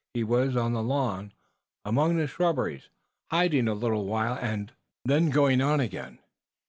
He was on the lawn, among the shrubbery, hiding a little while and then going on again.